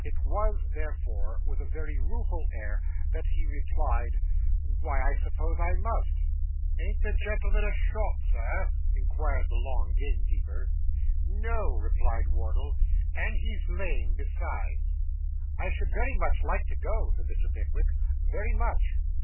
It was, therefore, with a very rueful air that he replied 'Why, I suppose I must.' 'Ain't the gentleman a shot, Sir?' inquired the long gamekeeper. 'No,' replied Wardle; 'and he's lame besides.' 'I should very much like to go,' said Mr. Pickwick 'very much.